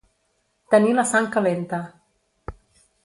Tenir la sang calenta.